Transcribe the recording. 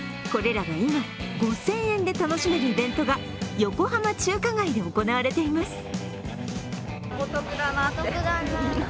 これらが今、５０００円で楽しめるイベントが横浜中華街で行われています。